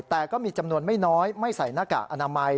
แต่ก็มีจำนวนไม่น้อยไม่ใส่หน้ากากอนามัย